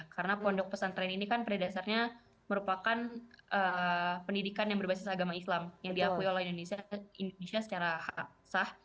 karena pondok pesantren ini kan pada dasarnya merupakan pendidikan yang berbasis agama islam yang diakui oleh indonesia secara sah